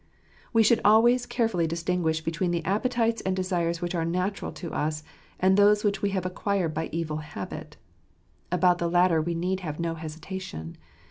We should always carefully distinguish between the appetites and desires which are natural to us ; and those which we have acquired by evil habit. About the latter we need have no hesitation.